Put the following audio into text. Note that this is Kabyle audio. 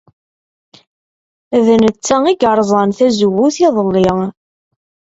D netta ay yerẓan tazewwut iḍelli.